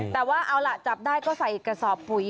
แต่ว่าเอาล่ะจับได้ก็ใส่กระสอบปุ๋ย